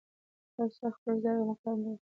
هر څه خپل ځای او خپل مقام لري.